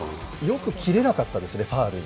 よく切れなかったですね、ファウルに。